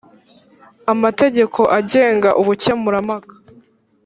amategeko agenga ubukempurampaka